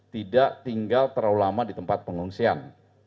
tidak tinggal terlalu lama di tempat pengungsian